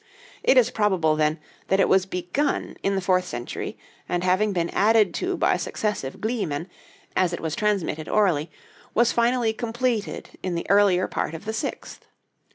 It is probable, then, that it was begun in the fourth century, and having been added to by successive gleemen, as it was transmitted orally, was finally completed in the earlier part of the sixth.